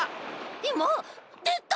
いまでた。